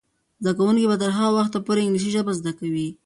زده کوونکې به تر هغه وخته پورې انګلیسي ژبه زده کوي.